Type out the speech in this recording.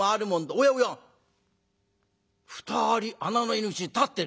おやおや２人穴の入り口に立ってる」。